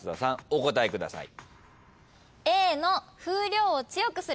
お答えください。